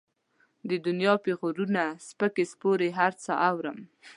د دنيا پېغورونه، سپکې سپورې هر څه اورم.